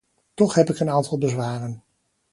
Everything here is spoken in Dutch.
Toch heb ik een aantal bezwaren.